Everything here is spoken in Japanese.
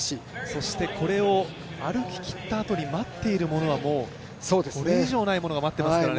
そして、これを歩ききったあとに待っているものはこれ以上ないものが待っていますからね。